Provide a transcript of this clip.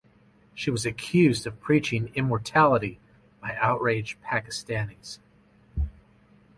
She was accused of preaching immorality by outraged Pakistanis.